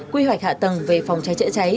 quy hoạch hạ tầng về phòng cháy chữa cháy